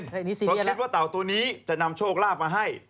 เพราะคิดว่าเต่าตัวนี้จะนำโชคลาภมาให้